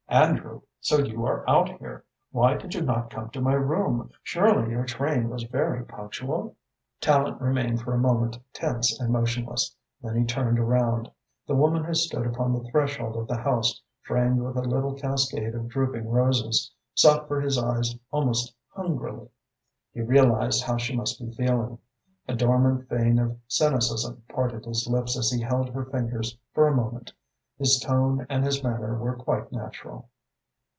"Andrew! So you are out here? Why did you not come to my room? Surely your train was very punctual?" Tallente remained for a moment tense and motionless. Then he turned around. The woman who stood upon the threshold of the house, framed with a little cascade of drooping roses, sought for his eyes almost hungrily. He realised how she must be feeling. A dormant vein of cynicism parted his lips as he held her fingers for a moment. His tone and his manner were quite natural.